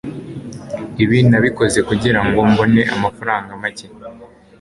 Ibi nabikoze kugirango mbone amafaranga make.